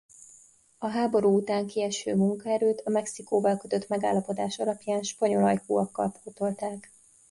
A háború után kieső munkaerőt a Mexikóval kötött megállapodás alapján spanyol ajkúakkal pótolták.